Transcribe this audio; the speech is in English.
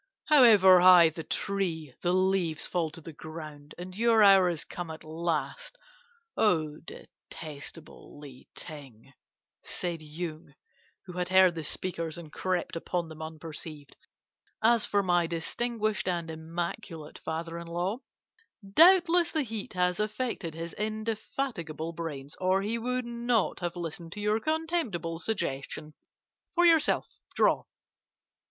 "'However high the tree, the leaves fall to the ground, and your hour has come at last, O detestable Li Ting!' said Yung, who had heard the speakers and crept upon them unperceived. 'As for my distinguished and immaculate father in law, doubtless the heat has affected his indefatigable brains, or he would not have listened to your contemptible suggestion. For yourself, draw!